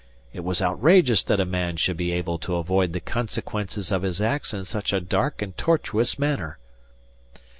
It was outrageous that a man should be able to avoid the consequences of his acts in such a dark and tortuous manner.